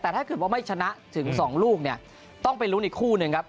แต่ถ้าเกิดว่าไม่ชนะถึง๒ลูกเนี่ยต้องไปลุ้นอีกคู่หนึ่งครับ